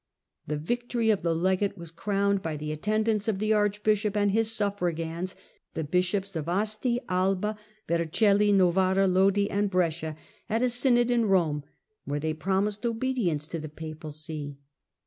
The vic tory of the legate was crowned by the attendance of the archbishop and his suflfeigans, the bishops of Asti, Alba, Vercelli, Novara, Lodi, and Brescia at a synod in Rome, where they promised obedience to the papal see.